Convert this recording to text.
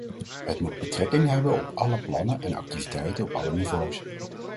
Het moet betrekking hebben op alle plannen en activiteiten op alle niveaus.